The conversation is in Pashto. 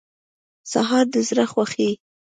سهار د زړه خوښوي.